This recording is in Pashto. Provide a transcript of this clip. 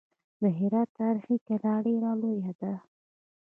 د هرات تاریخي کلا ډېره لویه ده.